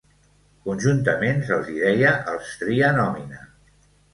Conjuntament se'ls hi deia els "tria nomina".